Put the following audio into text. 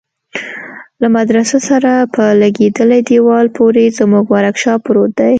له مدرسه سره په لگېدلي دېوال پورې زموږ ورکشاپ پروت دى.